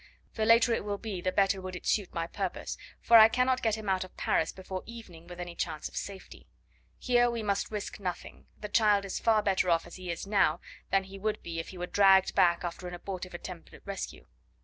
The later it will be the better would it suit my purpose, for I cannot get him out of Paris before evening with any chance of safety. Here we must risk nothing; the child is far better off as he is now than he would be if he were dragged back after an abortive attempt at rescue.